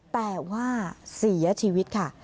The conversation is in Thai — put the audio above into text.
แต่ว่าเสียชีวิตค่ะ